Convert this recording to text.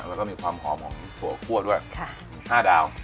แล้วก็มีความหอมของถั่วคั่วด้วย๕ดาว